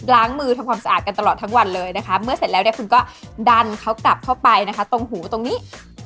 ล้างมือทำความสะอาดกันตลอดทั้งวันเลยนะคะเมื่อเสร็จแล้วเนี่ยคุณก็ดันเขากลับเข้าไปนะคะตรงหูตรงนี้